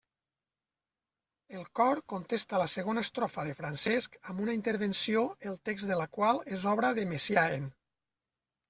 El cor contesta la segona estrofa de Francesc amb una intervenció el text de la qual és obra de Messiaen.